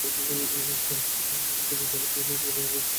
এছাড়াও ভবনগুলোর দেয়ালের বিভিন্ন জায়গা ভেঙে গেছে।